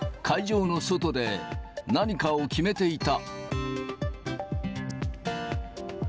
会場の外で何かを決めていた。